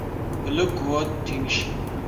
په لږ قوت ټینګ شي.